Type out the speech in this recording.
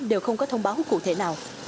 đều không có thông báo cụ thể nào